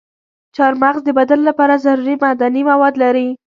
چارمغز د بدن لپاره ضروري معدني مواد لري.